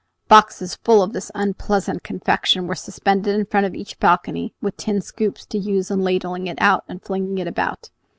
Boxes full of this unpleasant confection were suspended in front of each balcony, with tin scoops to use in ladling it out and flinging it about.